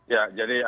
ya jadi apabila